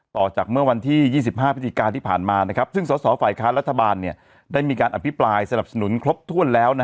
ต่อจากเมื่อวันที่๒๕พฤศจิกาที่ผ่านมาซึ่งสสฝ่ายค้านรัฐบาลได้มีการอภิปรายสนับสนุนครบถ้วนแล้ว